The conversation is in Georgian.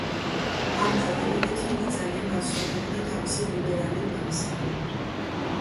ამ ყოველივეთი იგი ძალიან განსხვავდებოდა თავისი ლიბერალი მამისაგან.